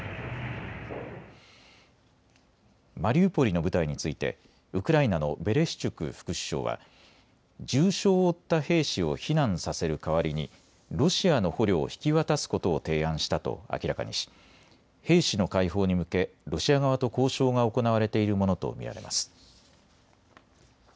マリウポリの部隊についてウクライナのベレシチュク副首相は重傷を負った兵士を避難させる代わりにロシアの捕虜を引き渡すことを提案したと明らかにし兵士の解放に向けロシア側と交渉が行われているものと見られます。